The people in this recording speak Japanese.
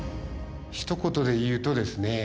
ひと言で言うとですね